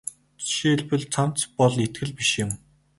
Жишээлбэл цамц бол итгэл биш юм.